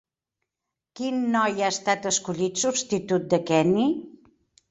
Quin noi ha estat escollit substitut de Kenny?